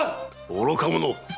愚か者！